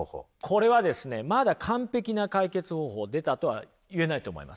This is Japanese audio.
これはですねまだ完璧な解決方法出たとは言えないと思います。